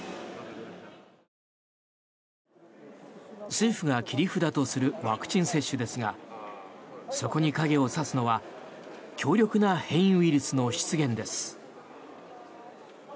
政府が切り札とするワクチン接種ですがそこに影を差すのは強力な変異ウイルスの出現です。